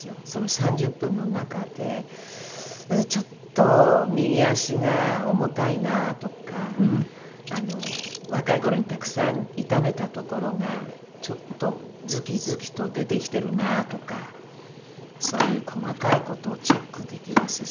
３０分の中でちょっと右足が重たいなとか若い頃にたくさん痛めたところがちょっとズキズキと出てきてるなとかそういう細かい事をチェックできますし。